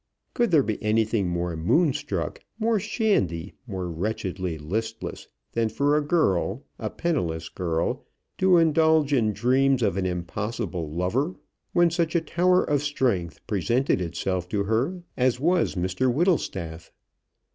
Could there be anything more moonstruck, more shandy, more wretchedly listless, than for a girl, a penniless girl, to indulge in dreams of an impossible lover, when such a tower of strength presented itself to her as was Mr Whittlestaff?